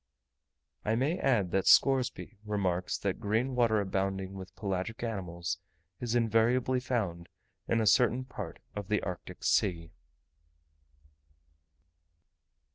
I may add that Scoresby remarks that green water abounding with pelagic animals is invariably found in a certain part of the Arctic Sea.